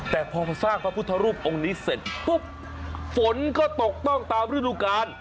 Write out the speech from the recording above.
แต่พอสร้างพระพุทธรูปองค์นี้เสร็จปุ๊บฝนก็ตกต้องตามฤดูกาล